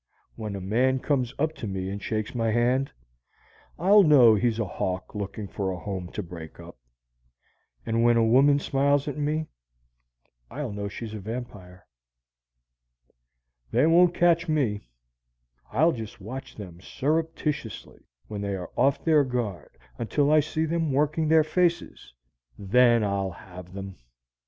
When a man comes up to me and shakes my hand, I'll know he's a hawk looking for a home to break up; and when a woman smiles at me, I'll know she's a vampire. They won't catch me! I'll just watch them surreptitiously when they are off their guard until I see them working their faces, and then I'll have them!